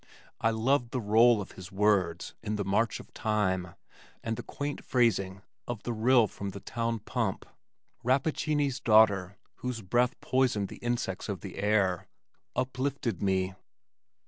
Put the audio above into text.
I loved the roll of his words in The March of Time and the quaint phrasing of the Rill from the Town Pump; Rappacini's Daughter whose breath poisoned the insects in the air, uplifted me.